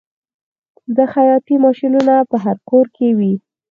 د خیاطۍ ماشینونه په هر کور کې وي